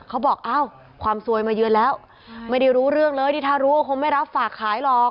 เขาบอกอ้าวความซวยมาเยือนแล้วไม่ได้รู้เรื่องเลยนี่ถ้ารู้ก็คงไม่รับฝากขายหรอก